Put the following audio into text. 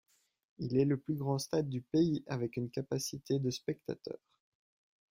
Il est le plus grand stade du pays avec une capacité de spectateurs.